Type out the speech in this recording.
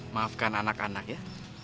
maafkan anak anak ya